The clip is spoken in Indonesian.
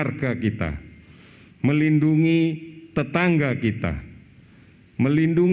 mereka tidak membantu kami untuk walaupun